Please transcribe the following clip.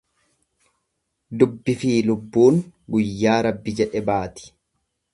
Dubbifi lubbuun guyyaa Rabbi jedhe baati.